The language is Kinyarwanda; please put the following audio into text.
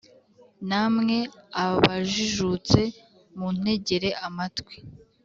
namwe abajijutse muntegere amatwi,